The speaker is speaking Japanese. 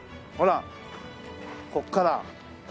ほらここから。